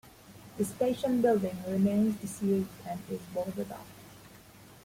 The station building remains disused and is boarded up.